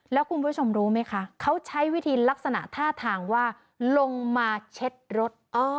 แล้วคุณผู้ชมรู้ไหมคะเขาใช้วิธีลักษณะท่าทางว่าลงมาเช็ดรถ